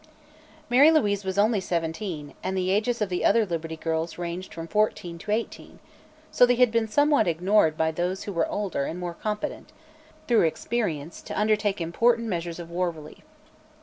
Mary Louise was only seventeen and the ages of the other Liberty Girls ranged from fourteen to eighteen, so they had been somewhat ignored by those who were older and more competent, through experience, to undertake important measures of war relief.